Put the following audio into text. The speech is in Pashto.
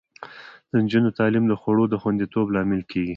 د نجونو تعلیم د خوړو د خوندیتوب لامل کیږي.